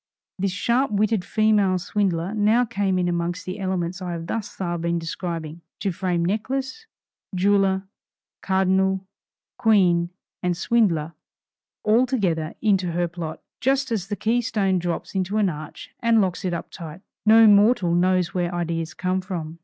This sharp witted female swindler now came in among the elements I have thus far been describing, to frame necklace, jeweller, cardinal, queen, and swindler, all together into her plot, just as the key stone drops into an arch and locks it up tight. No mortal knows where ideas come from.